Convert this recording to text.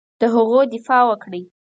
د هغوی دفاع وکړي.